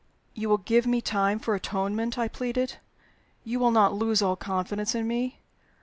"You will give me time for atonement?" I pleaded. "You will not lose all confidence in me?